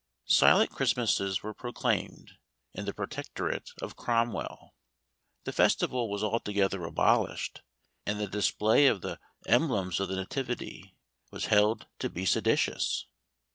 Silent Christmases were proclaimed in the Protecto rate of Cromwell. The festival was altogether abolished, and the display of the emblems of the Nativity was held to be seditious.